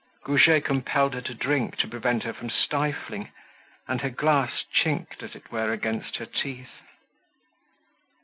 Goujet compelled her to drink to prevent her from stifling, and her glass chinked, as it were, against her teeth.